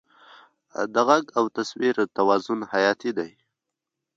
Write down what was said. د غږ او تصویر توازن حیاتي دی.